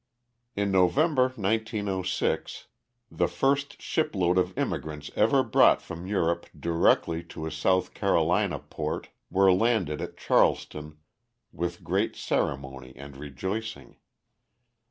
In November, 1906, the first shipload of immigrants ever brought from Europe directly to a South Carolina port were landed at Charleston with great ceremony and rejoicing.